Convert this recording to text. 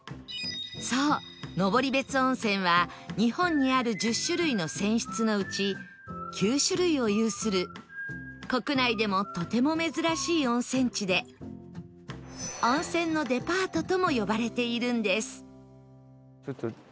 そう登別温泉は日本にある１０種類の泉質のうち９種類を有する国内でもとても珍しい温泉地で温泉のデパートとも呼ばれているんです